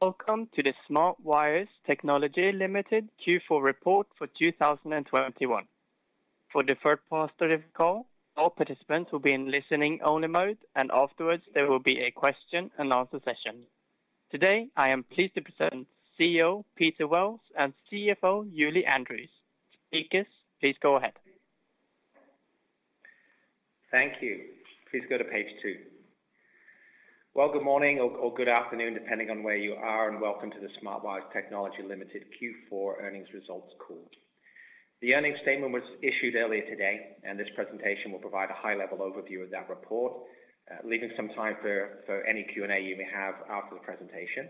Welcome to the Smart Wires Technology Ltd Q4 report for 2021. For the first part of the call, all participants will be in listening only mode, and afterwards there will be a question and answer session. Today, I am pleased to present CEO Peter Wells and CFO Julie Andrews. Speakers, please go ahead. Thank you. Please go to page two. Well, good morning or good afternoon, depending on where you are, and welcome to the Smart Wires Technology Limited Q4 earnings results call. The earnings statement was issued earlier today, and this presentation will provide a high-level overview of that report, leaving some time for any Q&A you may have after the presentation.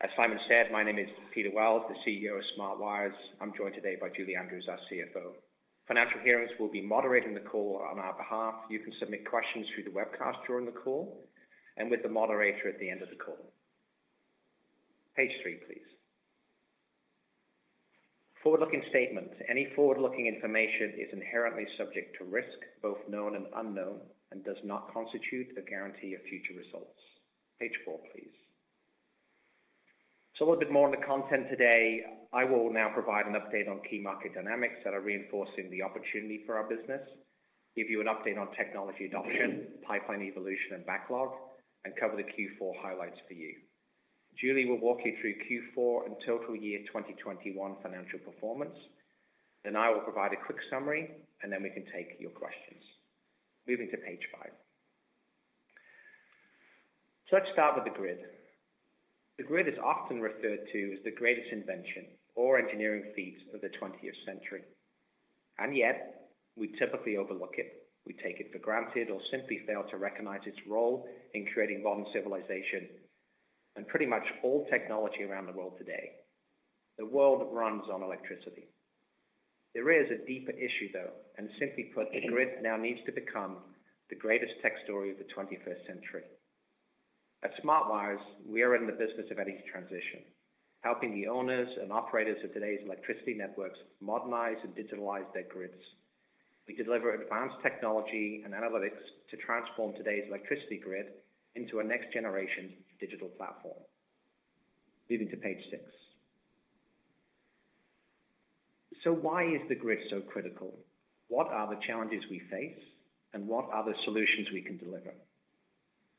As Simon said, my name is Peter Wells, the CEO of Smart Wires. I'm joined today by Julie Andrews, our CFO. Financial Hearings will be moderating the call on our behalf. You can submit questions through the webcast during the call and with the moderator at the end of the call. Page three, please. Forward-looking statements. Any forward-looking information is inherently subject to risk, both known and unknown, and does not constitute a guarantee of future results. Page four, please. A little bit more on the content today. I will now provide an update on key market dynamics that are reinforcing the opportunity for our business, give you an update on technology adoption, pipeline evolution and backlog, and cover the Q4 highlights for you. Julie will walk you through Q4 and total year 2021 financial performance. I will provide a quick summary, and then we can take your questions. Moving to page five. Let's start with the grid. The grid is often referred to as the greatest invention or engineering feat of the 20th century, and yet we typically overlook it. We take it for granted or simply fail to recognize its role in creating modern civilization and pretty much all technology around the world today. The world runs on electricity. There is a deeper issue, though, and simply put, the grid now needs to become the greatest tech story of the 21st century. At Smart Wires, we are in the business of energy transition, helping the owners and operators of today's electricity networks modernize and digitalize their grids. We deliver advanced technology and analytics to transform today's electricity grid into a next generation digital platform. Moving to page six. Why is the grid so critical? What are the challenges we face, and what are the solutions we can deliver?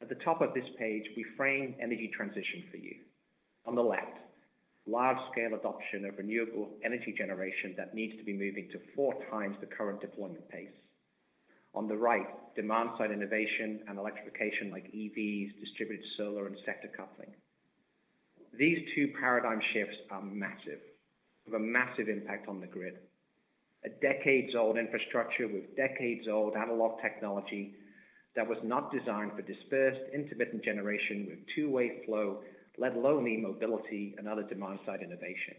At the top of this page, we frame energy transition for you. On the left, large scale adoption of renewable energy generation that needs to be moving to four times the current deployment pace. On the right, demand side innovation and electrification like EVs, distributed solar and sector coupling. These two paradigm shifts are massive. Have a massive impact on the grid. A decades-old infrastructure with decades-old analog technology that was not designed for dispersed intermittent generation with two-way flow, let alone e-mobility and other demand-side innovation.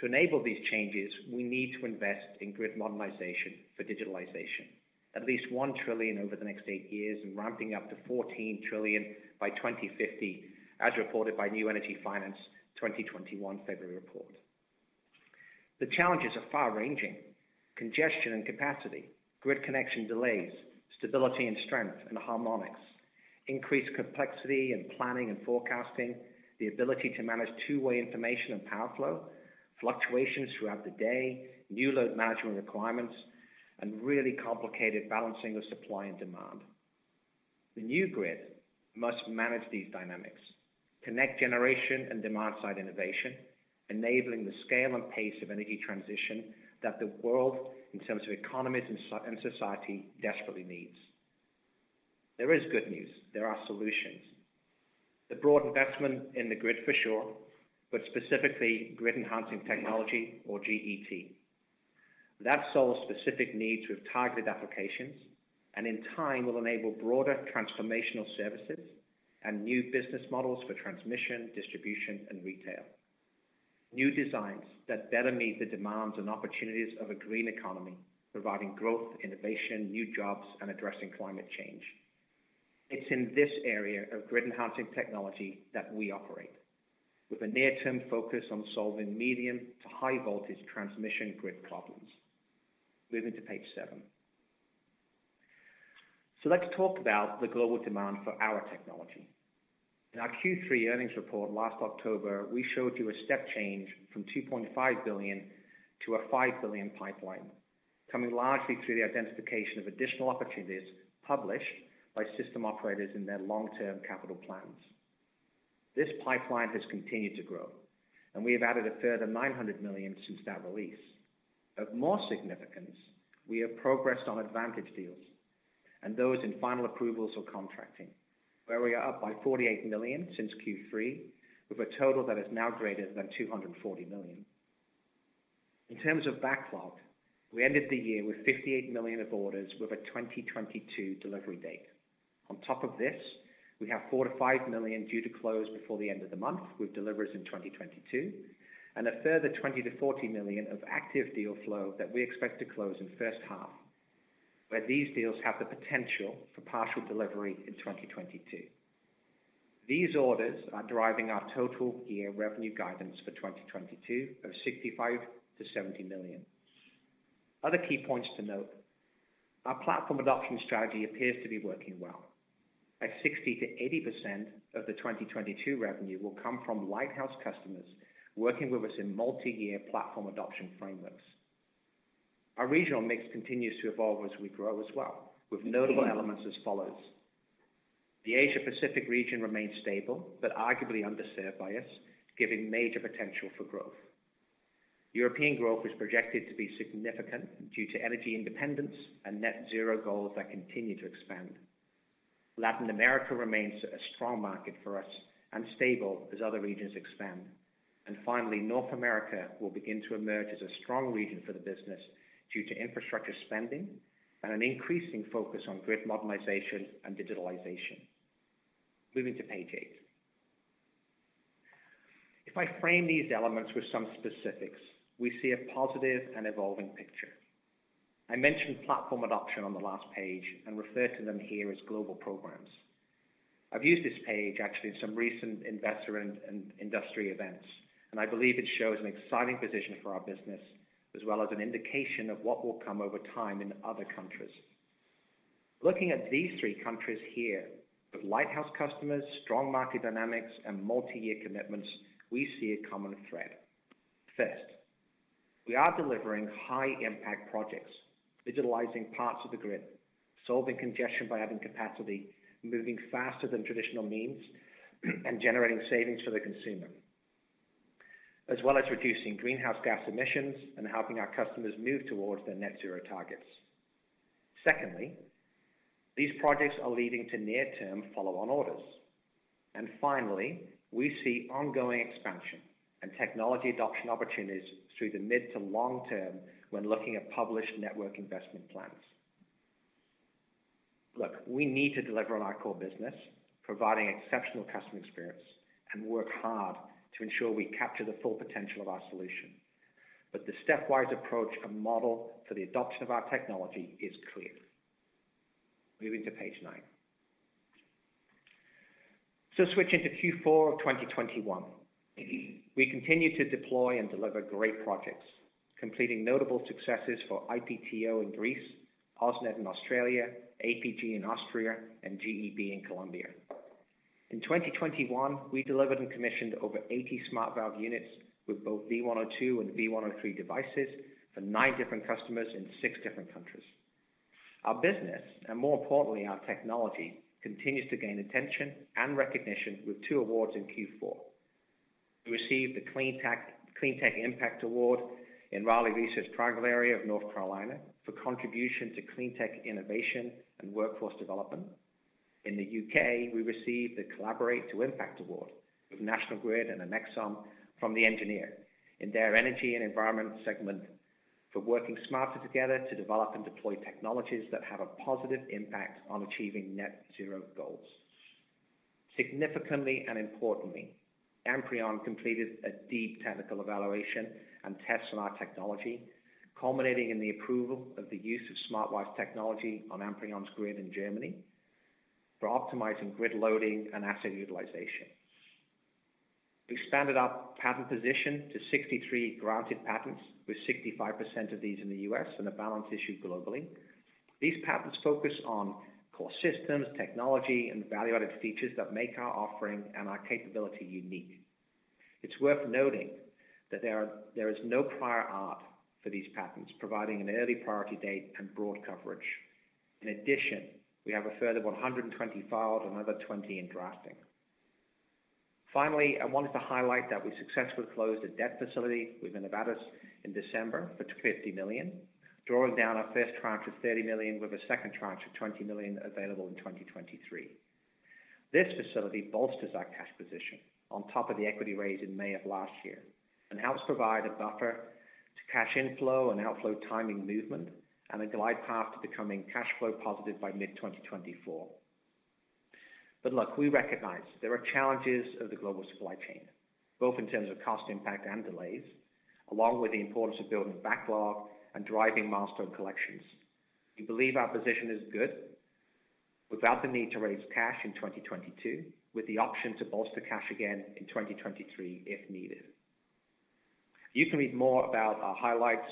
To enable these changes, we need to invest in grid modernization for digitalization. At least $1 trillion over the next eight years and ramping up to $14 trillion by 2050 as reported by New Energy Finance 2021 February report. The challenges are far-ranging. Congestion and capacity, grid connection delays, stability and strength and harmonics, increased complexity in planning and forecasting, the ability to manage two-way information and power flow, fluctuations throughout the day, new load management requirements, and really complicated balancing of supply and demand. The new grid must manage these dynamics, connect generation and demand side innovation, enabling the scale and pace of energy transition that the world, in terms of economies and society, desperately needs. There is good news. There are solutions. The broad investment in the grid, for sure, but specifically grid enhancing technology or GET. That solves specific needs with targeted applications and in time will enable broader transformational services and new business models for transmission, distribution, and retail. New designs that better meet the demands and opportunities of a green economy, providing growth, innovation, new jobs, and addressing climate change. It's in this area of grid enhancing technology that we operate, with a near-term focus on solving medium to high voltage transmission grid problems. Moving to page seven. Let's talk about the global demand for our technology. In our Q3 earnings report last October, we showed you a step change from $2.5 billion to a $5 billion pipeline, coming largely through the identification of additional opportunities published by system operators in their long-term capital plans. This pipeline has continued to grow, and we have added a further $900 million since that release. Of more significance, we have progressed on advantage deals and those in final approvals or contracting, where we are up by $48 million since Q3 with a total that is now greater than $240 million. In terms of backlog, we ended the year with $58 million of orders with a 2022 delivery date. On top of this, we have $4 million-$5 million due to close before the end of the month with deliveries in 2022, and a further $20 million-$40 million of active deal flow that we expect to close in first half, where these deals have the potential for partial delivery in 2022. These orders are driving our total year revenue guidance for 2022 of $65 million-$70 million. Other key points to note. Our platform adoption strategy appears to be working well. At 60%-80% of the 2022 revenue will come from lighthouse customers working with us in multi-year platform adoption frameworks. Our regional mix continues to evolve as we grow as well, with notable elements as follows. The Asia Pacific region remains stable but arguably underserved by us, giving major potential for growth. European growth is projected to be significant due to energy independence and net zero goals that continue to expand. Latin America remains a strong market for us and stable as other regions expand. Finally, North America will begin to emerge as a strong region for the business due to infrastructure spending and an increasing focus on grid modernization and digitalization. Moving to page eight. If I frame these elements with some specifics, we see a positive and evolving picture. I mentioned platform adoption on the last page and refer to them here as global programs. I've used this page actually in some recent investor and industry events, and I believe it shows an exciting position for our business as well as an indication of what will come over time in other countries. Looking at these three countries here with lighthouse customers, strong market dynamics and multi-year commitments, we see a common thread. First, we are delivering high impact projects, digitalizing parts of the grid, solving congestion by adding capacity, moving faster than traditional means and generating savings for the consumer. As well as reducing greenhouse gas emissions and helping our customers move towards their net zero targets. Secondly, these projects are leading to near-term follow-on orders. Finally, we see ongoing expansion and technology adoption opportunities through the mid to long term when looking at published network investment plans. Look, we need to deliver on our core business, providing exceptional customer experience and work hard to ensure we capture the full potential of our solution. The stepwise approach and model for the adoption of our technology is clear. Moving to page nine. Switching to Q4 of 2021. We continue to deploy and deliver great projects, completing notable successes for IPTO in Greece, AusNet Services in Australia, APG in Austria, and GEB in Colombia. In 2021, we delivered and commissioned over 80 SmartValve units with both V102 and V103 devices for nine different customers in six different countries. Our business, and more importantly, our technology, continues to gain attention and recognition with two awards in Q4. We received the Cleantech Impact Award in Raleigh Research Triangle area of North Carolina for contribution to clean tech innovation and workforce development. In the U.K., we received the Collaborate to Innovate Award with National Grid and Anesco from The Engineer in their energy and environment segment for working smarter together to develop and deploy technologies that have a positive impact on achieving net zero goals. Significantly and importantly, Amprion completed a deep technical evaluation and tests on our technology, culminating in the approval of the use of Smart Wires technology on Amprion's grid in Germany for optimizing grid loading and asset utilization. We expanded our patent position to 63 granted patents, with 65% of these in the U.S. and the balance issued globally. These patents focus on core systems, technology, and value-added features that make our offering and our capability unique. It's worth noting that there is no prior art for these patents, providing an early priority date and broad coverage. In addition, we have a further 120 filed, another 20 in drafting. Finally, I wanted to highlight that we successfully closed a debt facility with Nuveen in December for $250 million, drawing down our first tranche of $30 million with a second tranche of $20 million available in 2023. This facility bolsters our cash position on top of the equity raise in May of last year and helps provide a buffer to cash inflow and outflow timing movement, and a glide path to becoming cash flow positive by mid-2024. Look, we recognize there are challenges of the global supply chain, both in terms of cost impact and delays, along with the importance of building backlog and driving milestone collections. We believe our position is good without the need to raise cash in 2022, with the option to bolster cash again in 2023 if needed. You can read more about our highlights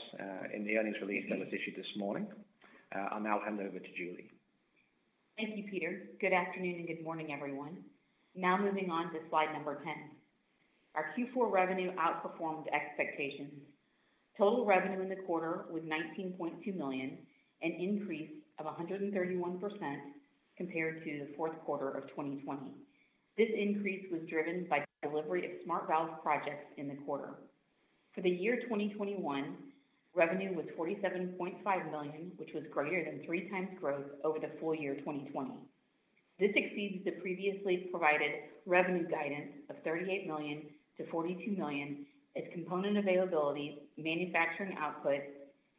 in the earnings release that was issued this morning. I'll now hand over to Julie. Thank you, Peter. Good afternoon and good morning, everyone. Now moving on to slide 10. Our Q4 revenue outperformed expectations. Total revenue in the quarter was $19.2 million, an increase of 131% compared to the fourth quarter of 2020. This increase was driven by delivery of SmartValve projects in the quarter. For the year 2021, revenue was $47.5 million, which was greater than three times growth over the full year, 2020. This exceeds the previously provided revenue guidance of $38 million-$42 million as component availability, manufacturing output,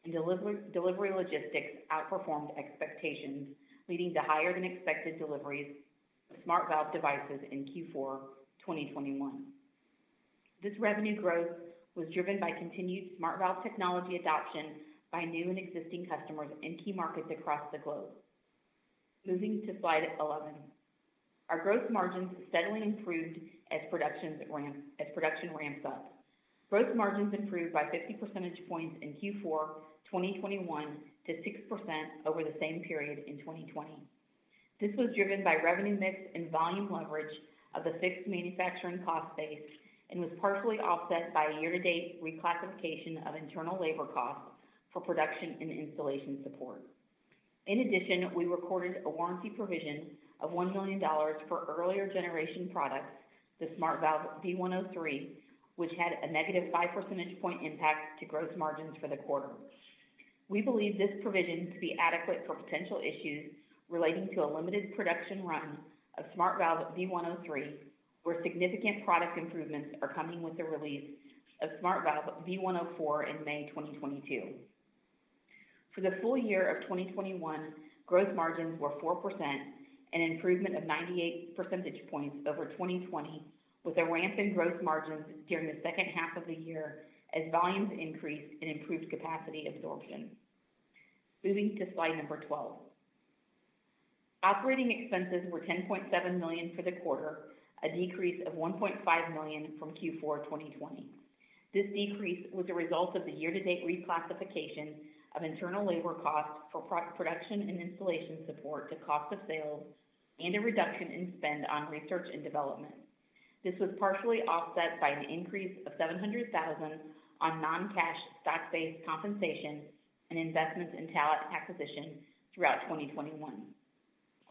and delivery logistics outperformed expectations, leading to higher-than-expected deliveries of SmartValve devices in Q4 2021. This revenue growth was driven by continued SmartValve technology adoption by new and existing customers in key markets across the globe. Moving to slide 11. Our growth margins steadily improved as production ramps up. Growth margins improved by 50 percentage points in Q4 2021 to 6% over the same period in 2020. This was driven by revenue mix and volume leverage of the fixed manufacturing cost base and was partially offset by a year-to-date reclassification of internal labor costs for production and installation support. In addition, we recorded a warranty provision of $1 million for earlier generation products, the SmartValve v1.03, which had a negative 5 percentage point impact to gross margins for the quarter. We believe this provision to be adequate for potential issues relating to a limited production run of SmartValve v1.03, where significant product improvements are coming with the release of SmartValve v1.04 in May 2022. For the full year of 2021, growth margins were 4%, an improvement of 98 percentage points over 2020, with a ramp in growth margins during the second half of the year as volumes increased and improved capacity absorption. Moving to slide 12. Operating expenses were $10.7 million for the quarter, a decrease of $1.5 million from Q4 2020. This decrease was a result of the year-to-date reclassification of internal labor costs for pre-production and installation support to cost of sales, and a reduction in spend on research and development. This was partially offset by an increase of $700,000 on non-cash stock-based compensation and investments in talent acquisition throughout 2021.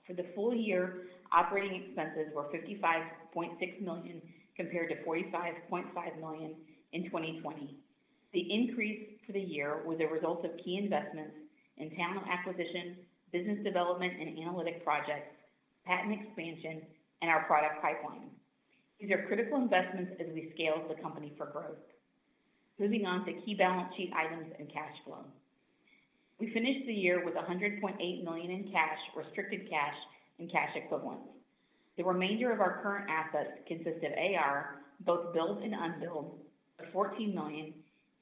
For the full year, operating expenses were $55.6 million compared to $45.5 million in 2020. The increase for the year was a result of key investments in talent acquisition, business development and analytic projects, patent expansion, and our product pipeline. These are critical investments as we scale the company for growth. Moving on to key balance sheet items and cash flow. We finished the year with $100.8 million in cash, restricted cash, and cash equivalents. The remainder of our current assets consist of AR, both billed and unbilled, of $14 million,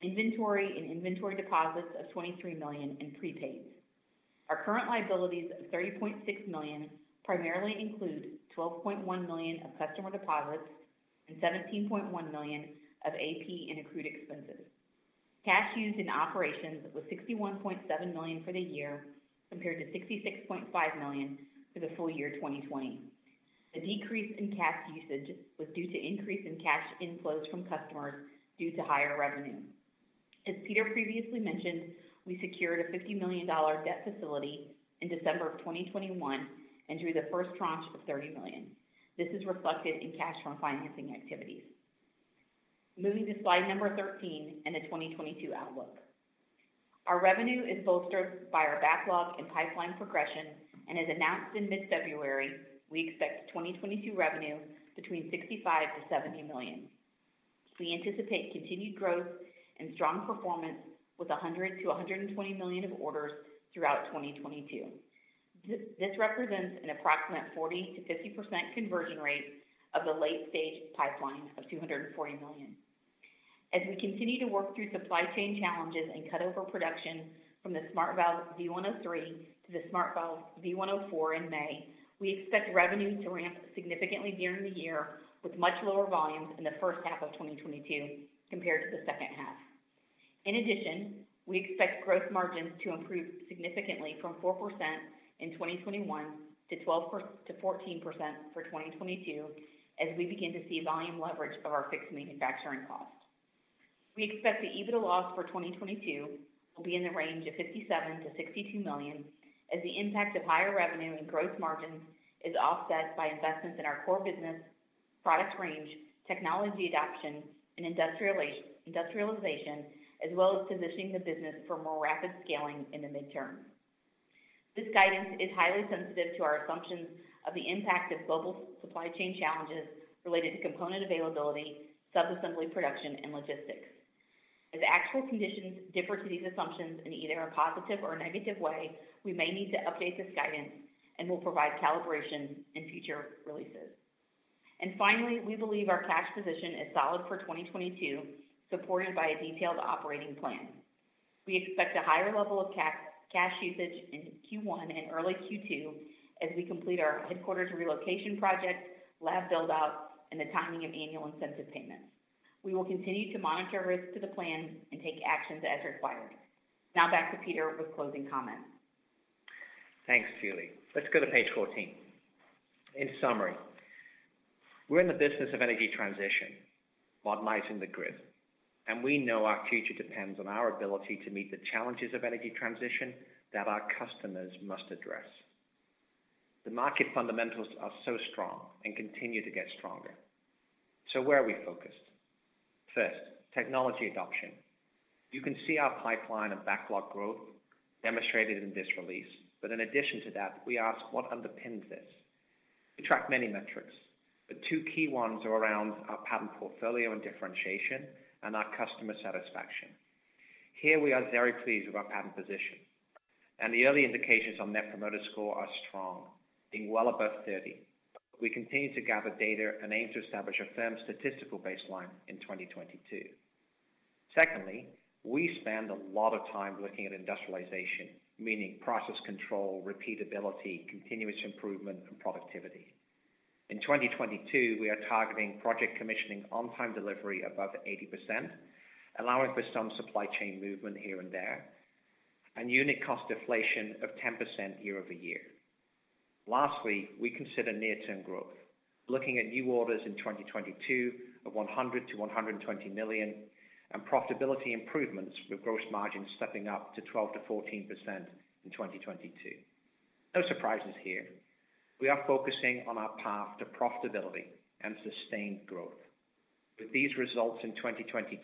inventory and inventory deposits of $23 million, and prepaids. Our current liabilities of $30.6 million primarily include $12.1 million of customer deposits and $17.1 million of AP and accrued expenses. Cash used in operations was $61.7 million for the year, compared to $66.5 million for the full year 2020. The decrease in cash usage was due to increase in cash inflows from customers due to higher revenue. As Peter previously mentioned, we secured a $50 million debt facility in December of 2021 and drew the first tranche of $30 million. This is reflected in cash from financing activities. Moving to slide 13 and the 2022 outlook. Our revenue is bolstered by our backlog and pipeline progression, and as announced in mid-February, we expect 2022 revenue between $65 million-$70 million. We anticipate continued growth and strong performance with $100 million-$120 million of orders throughout 2022. This represents an approximate 40%-50% conversion rate of the late-stage pipeline of $240 million. As we continue to work through supply chain challenges and cut-over production from the SmartValve v1.03 to the SmartValve v1.04 in May, we expect revenue to ramp significantly during the year with much lower volumes in the first half of 2022 compared to the second half. In addition, we expect gross margins to improve significantly from 4% in 2021 to 12%-14% for 2022 as we begin to see volume leverage of our fixed manufacturing cost. We expect the EBITDA loss for 2022 will be in the range of $57 million-$62 million as the impact of higher revenue and gross margins is offset by investments in our core business product range, technology adoption, and industrialization, as well as positioning the business for more rapid scaling in the midterm. This guidance is highly sensitive to our assumptions of the impact of global supply chain challenges related to component availability, sub-assembly production, and logistics. As actual conditions differ to these assumptions in either a positive or negative way, we may need to update this guidance and will provide calibration in future releases. Finally, we believe our cash position is solid for 2022, supported by a detailed operating plan. We expect a higher level of cash usage in Q1 and early Q2 as we complete our headquarters relocation project, lab build-out, and the timing of annual incentive payments. We will continue to monitor risks to the plan and take actions as required. Now back to Peter with closing comments. Thanks, Julie. Let's go to page 14. In summary, we're in the business of energy transition, modernizing the grid, and we know our future depends on our ability to meet the challenges of energy transition that our customers must address. The market fundamentals are so strong and continue to get stronger. Where are we focused? First, technology adoption. You can see our pipeline of backlog growth demonstrated in this release. In addition to that, we ask what underpins this. We track many metrics, but two key ones are around our patent portfolio and differentiation and our customer satisfaction. Here we are very pleased with our patent position, and the early indications on net promoter score are strong, being well above 30. We continue to gather data and aim to establish a firm statistical baseline in 2022. Secondly, we spend a lot of time looking at industrialization, meaning process control, repeatability, continuous improvement, and productivity. In 2022, we are targeting project commissioning on time delivery above 80%, allowing for some supply chain movement here and there, and unit cost deflation of 10% year-over-year. Lastly, we consider near-term growth, looking at new orders in 2022 of $100 million-$120 million, and profitability improvements with gross margins stepping up to 12%-14% in 2022. No surprises here. We are focusing on our path to profitability and sustained growth. With these results in 2022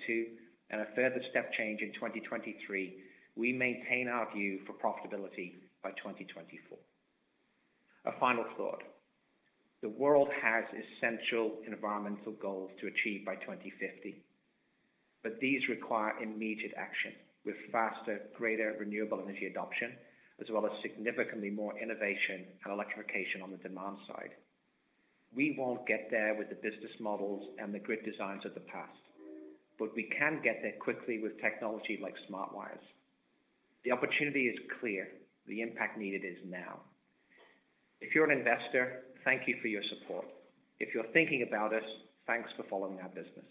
and a further step change in 2023, we maintain our view for profitability by 2024. A final thought. The world has essential environmental goals to achieve by 2050, but these require immediate action with faster, greater renewable energy adoption, as well as significantly more innovation and electrification on the demand side. We won't get there with the business models and the grid designs of the past, but we can get there quickly with technology like Smart Wires. The opportunity is clear. The impact needed is now. If you're an investor, thank you for your support. If you're thinking about us, thanks for following our business.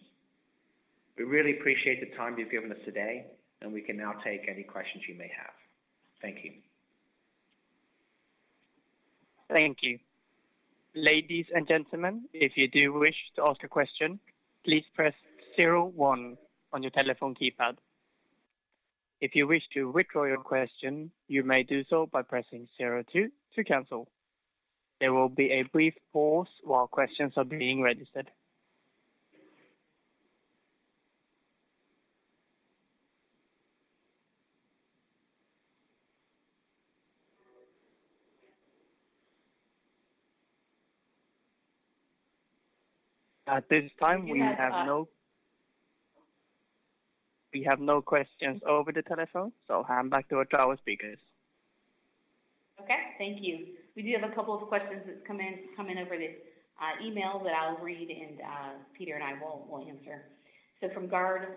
We really appreciate the time you've given us today, and we can now take any questions you may have. Thank you. Thank you. Ladies and gentlemen, if you do wish to ask a question, please press zero one on your telephone keypad. If you wish to withdraw your question, you may do so by pressing zero two to cancel. There will be a brief pause while questions are being registered. At this time we have no- We do have a- We have no questions over the telephone, so I'll hand back to our speakers. Okay, thank you. We do have a couple of questions that's come in over this email that I'll read and Peter and I will answer. From Gard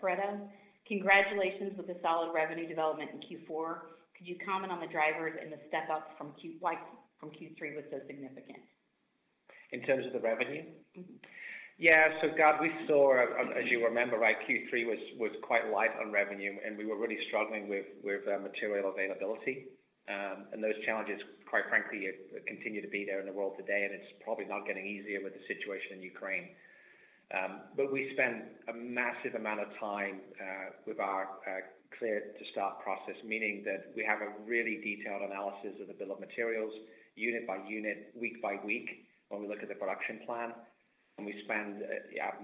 Fredo. Congratulations with the solid revenue development in Q4. Could you comment on the drivers and the step up from Q3. Why from Q3 was so significant? In terms of the revenue? Mm-hmm. Yeah. Gard, we saw, as you remember, right? Q3 was quite light on revenue, and we were really struggling with material availability. Those challenges, quite frankly, continue to be there in the world today, and it's probably not getting easier with the situation in Ukraine. We spend a massive amount of time with our clear to start process, meaning that we have a really detailed analysis of the bill of materials unit by unit, week by week when we look at the production plan. We spend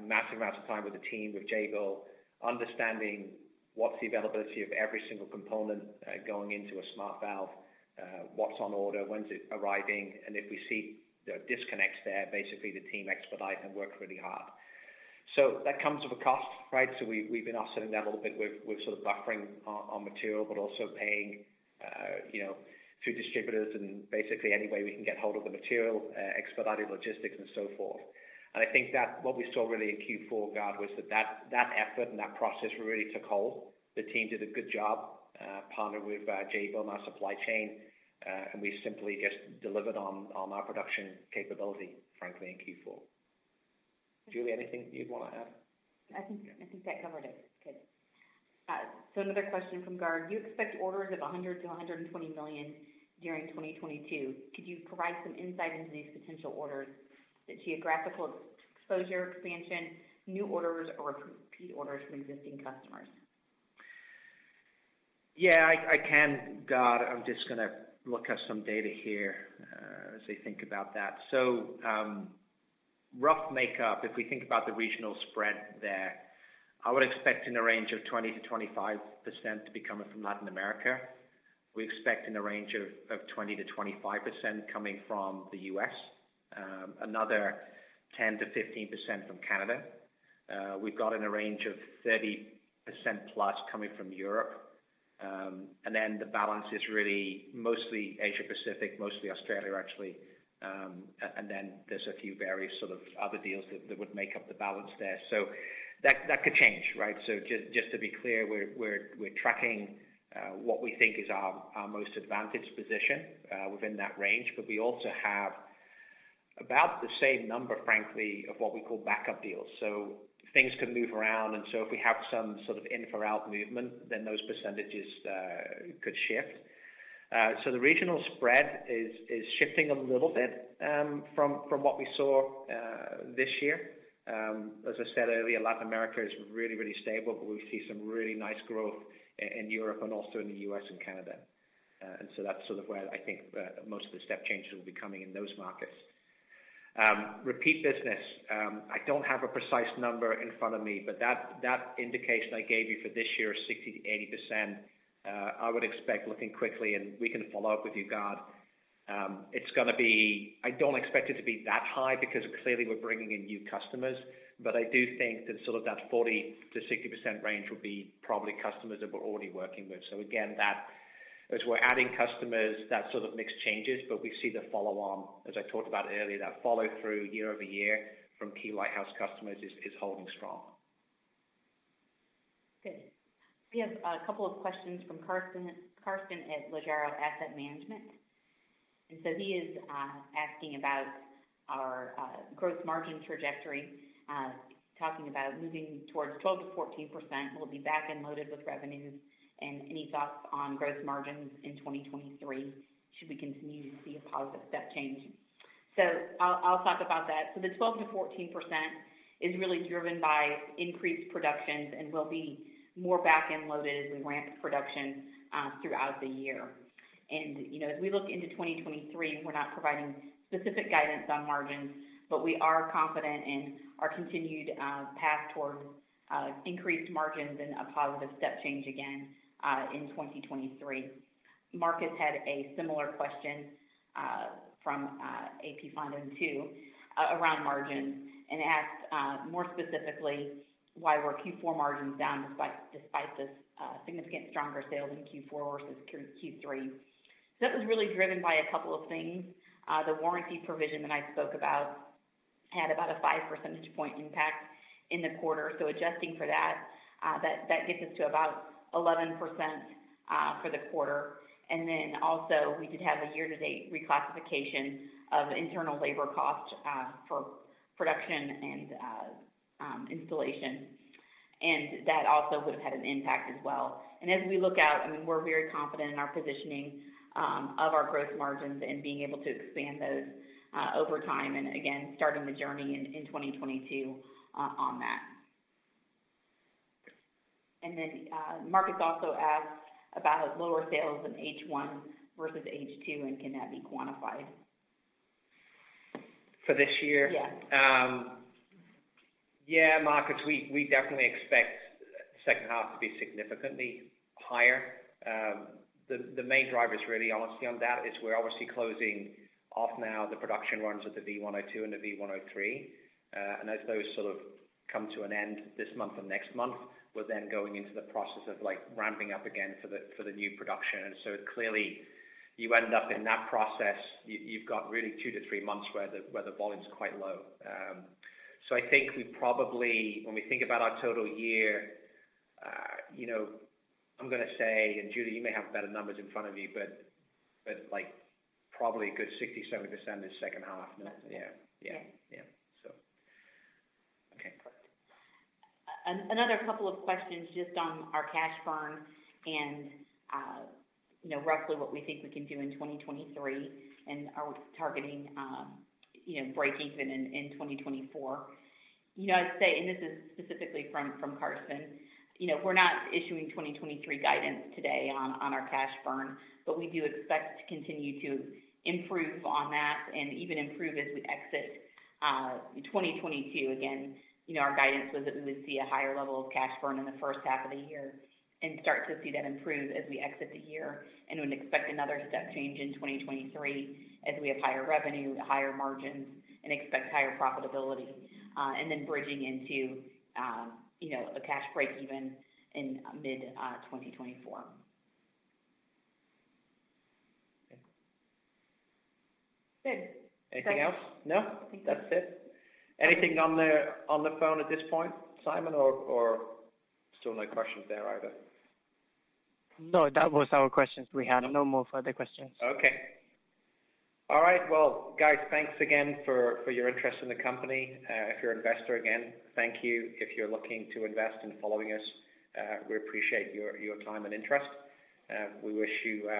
massive amounts of time with the team, with Jabil, understanding what's the availability of every single component going into a SmartValve, what's on order, when's it arriving? If we see disconnects there, basically the team expedite and work really hard. That comes with a cost, right? We've been offsetting that a little bit with sort of buffering on material, but also paying, you know, through distributors and basically any way we can get hold of the material, expedited logistics and so forth. I think that what we saw really in Q4, Gard, was that effort and that process really took hold. The team did a good job, partnered with Jabil and our supply chain, and we simply just delivered on our production capability, frankly, in Q4. Julie, anything you'd want to add? I think that covered it. Good. Another question from Gard. You expect orders of $100 million-$120 million during 2022. Could you provide some insight into these potential orders, the geographical exposure, expansion, new orders or repeat orders from existing customers? Yeah, I can, Gard. I'm just gonna look at some data here, as I think about that. Rough makeup, if we think about the regional spread there, I would expect in the range of 20%-25% to be coming from Latin America. We expect in the range of 20%-25% coming from the U.S. Another 10%-15% from Canada. We've got in a range of 30% plus coming from Europe. And then the balance is really mostly Asia-Pacific, mostly Australia actually. And then there's a few various sort of other deals that would make up the balance there. That could change, right? Just to be clear, we're tracking what we think is our most advantaged position within that range. We also have about the same number, frankly, of what we call backup deals. Things can move around, and so if we have some sort of in for out movement, then those percentages could shift. The regional spread is shifting a little bit from what we saw this year. As I said earlier, Latin America is really stable, but we see some really nice growth in Europe and also in the U.S. and Canada. And so that's sort of where I think most of the step changes will be coming in those markets. Repeat business. I don't have a precise number in front of me, but that indication I gave you for this year, 60%-80%, I would expect looking quickly and we can follow up with you, Gard. It's gonna be. I don't expect it to be that high because clearly we're bringing in new customers. I do think that sort of 40%-60% range will be probably customers that we're already working with. Again, as we're adding customers, that sort of mix changes, but we see the follow on, as I talked about earlier, that follow-through year-over-year from key lighthouse customers is holding strong. Good. We have a couple of questions from Carsten at Pareto Asset Management. He is asking about our growth margin trajectory, talking about moving towards 12%-14%. We'll be back-end loaded with revenues. Any thoughts on growth margins in 2023? Should we continue to see a positive step change? I'll talk about that. The 12%-14% is really driven by increased productions and will be more back-end loaded as we ramp production throughout the year. You know, as we look into 2023, we're not providing specific guidance on margins, but we are confident in our continued path towards increased margins and a positive step change again in 2023. Marcus had a similar question from AP-fonden too around margins, and asked more specifically, why were Q4 margins down despite the significant stronger sales in Q4 versus Q3? That was really driven by a couple of things. The warranty provision that I spoke about had about a 5 percentage point impact in the quarter. Adjusting for that gets us to about 11% for the quarter. Then also we did have a year-to-date reclassification of internal labor costs for production and installation. That also would have had an impact as well. As we look out, I mean, we're very confident in our positioning of our growth margins and being able to expand those over time, and again, starting the journey in 2022 on that. Marcus also asked about lower sales in H1 versus H2, and can that be quantified? For this year? Yeah. Yeah, Marcus, we definitely expect second half to be significantly higher. The main driver is really, honestly, and that is we're obviously closing off now the production runs at the v1.02 and the v1.03. As those sort of come to an end this month or next month, we're then going into the process of, like, ramping up again for the new production. Clearly, you end up in that process, you've got really two-three months where the volume's quite low. I think we probably, when we think about our total year, you know, I'm gonna say, and Julie Andrews, you may have better numbers in front of you, but, like, probably a good 60%-70% is second half. That's right. Yeah. Yeah. Yeah. Yeah. Okay. Another couple of questions just on our cash burn and, you know, roughly what we think we can do in 2023 and are we targeting, you know, breakeven in 2024. You know, I'd say, and this is specifically from Carsten. You know, we're not issuing 2023 guidance today on our cash burn, but we do expect to continue to improve on that and even improve as we exit 2022. Again, you know, our guidance was that we would see a higher level of cash burn in the first half of the year and start to see that improve as we exit the year and would expect another step change in 2023 as we have higher revenue, higher margins, and expect higher profitability, and then bridging into, you know, a cash breakeven in mid-2024. Okay. Good. Anything else? No? I think that's it. That's it. Anything on the phone at this point, Simon, or still no questions there either? No, that was our questions we had. No more further questions. Okay. All right. Well, guys, thanks again for your interest in the company. If you're an investor, again, thank you. If you're looking to invest in following us, we appreciate your time and interest. We wish you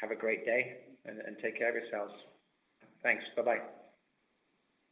have a great day and take care of yourselves. Thanks. Bye-bye.